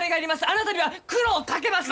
あなたには苦労をかけます！